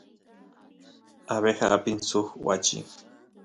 abeja apin suk wachi